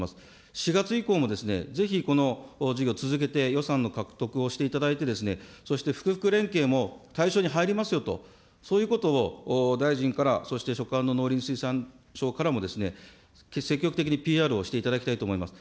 ４月以降もぜひ、この事業続けて予算の獲得をしていただいて、そして福福連携も対象に入りますよと、そういうことを大臣からそして所管の農林水産省からも、積極的にＰＲをしていただきたいと思います。